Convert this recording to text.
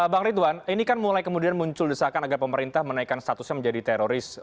bang ridwan ini kan mulai kemudian muncul desakan agar pemerintah menaikkan statusnya menjadi teroris